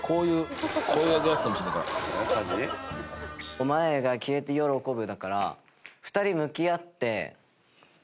「おまえが消えて喜ぶ」だから２人向き合ってえっとね。